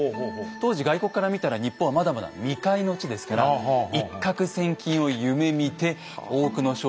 当時外国から見たら日本はまだまだ未開の地ですから一獲千金を夢みて多くの商人たちがやって来ていたんです。